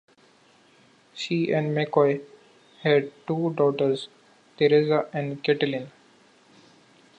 She and McCoy had two daughters, Theresa and Kaitlin.